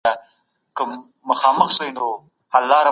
تاسي په خپلو خبرو کي دروندوالی لرئ.